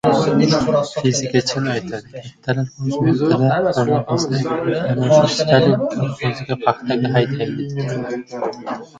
Fizika chin aytadi — kattalar o‘z vaqtida onamizni ana shu Stalin kolxoziga paxtaga haydaydi.